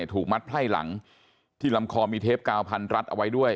ถูกมัดไพ่หลังที่ลำคอมีเทปกาวพันรัดเอาไว้ด้วย